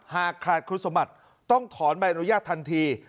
หากขาดคุณสมบัติต้องถอนใบอนุญาตทันที